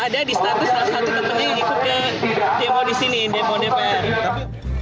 ada di status salah satu temannya yang ikut ke demo di sini demo dpr